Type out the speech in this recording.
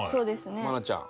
愛菜ちゃん。